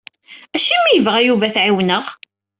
Acimi i yebɣa Yuba ad t-ɛiwneɣ?